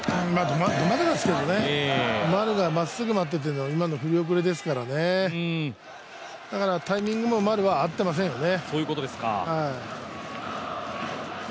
ど真ん中ですけどね、丸がまっすぐ待っていて今の振り遅れですからね、だからタイミングも丸は合ってませんよね。